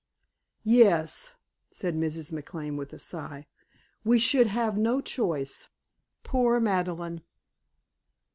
"Yes," said Mrs. McLane with a sigh. "We should have no choice. Poor Madeleine!"